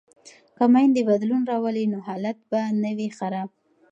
که میندې بدلون راولي نو حالت به نه وي خراب.